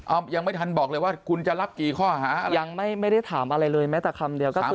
เอายังไม่ทันบอกเลยว่าคุณจะรับกี่ข้อหายังไม่ไม่ได้ถามอะไรเลยแม้แต่คำเดียวก็คือ